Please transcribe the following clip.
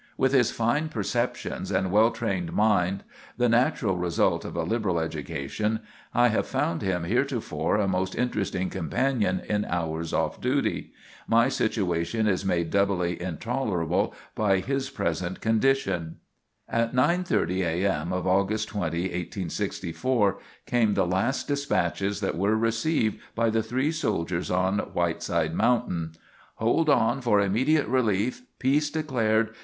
With his fine perceptions and well trained mind, the natural result of a liberal education, I have found him heretofore a most interesting companion in hours off duty. My situation is made doubly intolerable by his present condition." At 9:30 A.M. of August 20, 1864, came the last despatches that were received by the three soldiers on Whiteside Mountain. "Hold on for immediate relief. Peace declared.